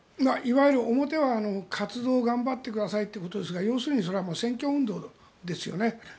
いわゆる表は、活動を頑張ってくださいってことですが要するにそれは選挙運動ですよね。